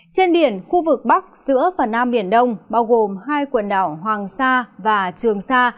trên biển khu vực bắc giữa và nam biển đông bao gồm hai quần đảo hoàng sa và trường sa